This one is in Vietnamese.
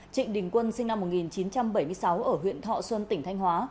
trịnh đình quân sinh năm một nghìn chín trăm bảy mươi sáu ở huyện thọ xuân tỉnh thanh hóa